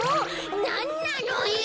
なんなのよ！